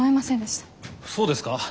そうですか？